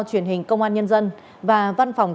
truyền hình công an nhân dân và văn phòng